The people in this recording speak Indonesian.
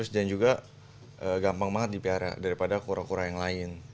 dan juga gampang banget dipihak daripada kura kura yang lain